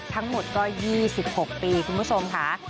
ทั้งหมดก็๒๖ปีคุณผู้ชมค่ะ